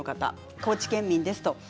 高知県民です。